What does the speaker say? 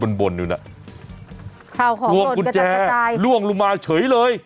เขาของโหดกระจัดกระจายล่วงกุญแจล่วงลงมาเฉยเลย